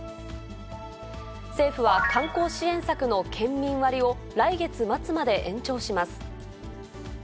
政府は、観光支援策の県民割を来月末まで延長します。